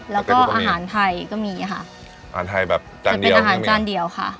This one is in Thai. แล้วก็อาหารไทยก็มีค่ะอาหารไทยแบบจานเป็นอาหารจานเดียวค่ะ